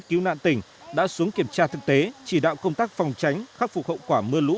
cứu nạn tỉnh đã xuống kiểm tra thực tế chỉ đạo công tác phòng tránh khắc phục hậu quả mưa lũ